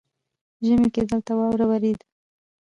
ژمي کې دلته واوره ورېده